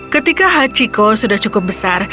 ketika hachiko sudah cukup besar